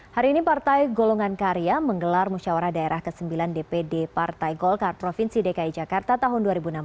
hari ini partai golongan karya menggelar musyawarah daerah ke sembilan dpd partai golkar provinsi dki jakarta tahun dua ribu enam belas